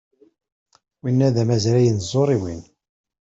Winna d amazray n tẓuriwin.